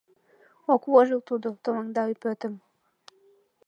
Ок вожыл тудо, товаҥда ӱпетым